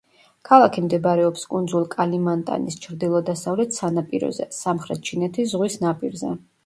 ქალაქი მდებარეობს კუნძულ კალიმანტანის ჩრდილო-დასავლეთ სანაპიროზე, სამხრეთ ჩინეთის ზღვის ნაპირზე.